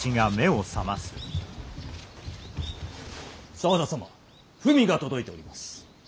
沢田様文が届いております。